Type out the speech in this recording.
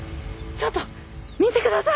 ちょっと見て下さい！